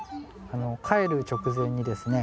かえる直前にですね